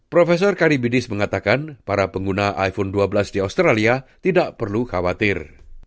profesor karibidis mengatakan para pengguna iphone dua belas di australia tidak perlu khawatir